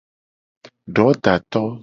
Dodato.